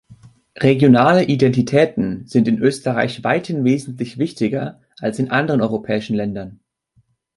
Regionale Identitäten sind in Österreich weiterhin wesentlich wichtiger als in anderen europäischen Ländern.